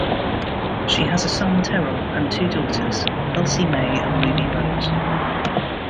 She has a son Terrell and two daughters Elsie-Mae and Ruby Rose.